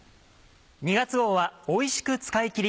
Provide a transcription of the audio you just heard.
２月号はおいしく使いきり。